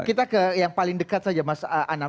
kita ke yang paling dekat saja mas anam